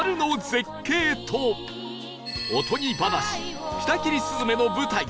おとぎ話『舌切り雀』の舞台